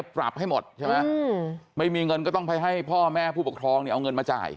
ปรับให้หมดใช่ไหมไม่มีเงินก็ต้องไปให้พ่อแม่ผู้ปกครองเนี่ยเอาเงินมาจ่าย